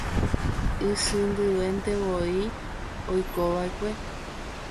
Isy ndiventevoi oikova'ekue.